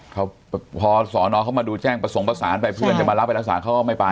เขาพอสอนอเขามาดูแจ้งประสงค์ประสานไปเพื่อนจะมารับไปรักษาเขาก็ไม่ไป